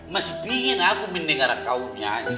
masih pingin aku mendengar kau nyanyi